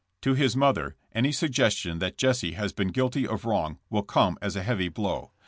To his mother any suggestion that Jesse has been guilty of wrong will come as a heavy blow.